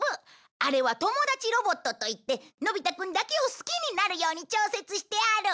あれはトモダチロボットといってのび太くんだけを好きになるように調節してある。